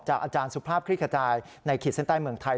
อาจารย์สุภาพคลิกขจายในขีดเส้นใต้เมืองไทย